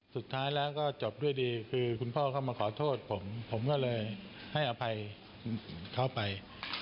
สุดท้ายแล้วก็จบด้วยดีคือคุณพ่อเข้ามาขอโทษผมผมก็เลยให้อภัยเขาไป